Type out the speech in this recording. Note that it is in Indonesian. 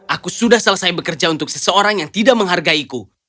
aku sudah selesai bekerja untuk seseorang yang tidak menghargaiku